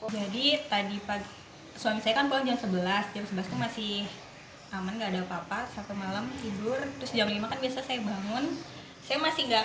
jadi tadi pagi suami saya kan pulang jam sebelas